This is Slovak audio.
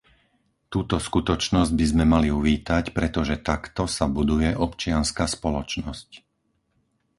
Túto skutočnosť by sme mali uvítať, pretože takto sa buduje občianska spoločnosť.